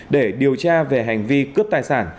để điều tra về hành vi cướp tài sản